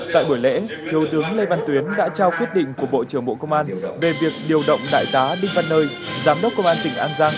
tại buổi lễ thiếu tướng lê văn tuyến đã trao quyết định của bộ trưởng bộ công an về việc điều động đại tá đinh văn nơi giám đốc công an tỉnh an giang